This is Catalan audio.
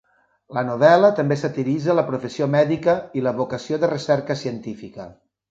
La novel·la també satiritza la professió mèdica i la vocació de recerca científica.